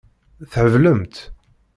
Theblemt?